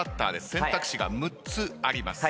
選択肢が６つあります。